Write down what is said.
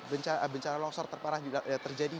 bencana longsor terparah terjadi